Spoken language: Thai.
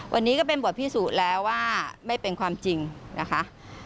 วันนี้ก็เป็นบทพิสูจน์แล้วว่าไม่เป็นความจริงนะคะ